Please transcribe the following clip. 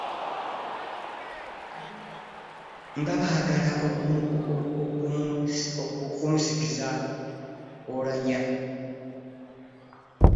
Nga baagala okumusikiza Oulanyah.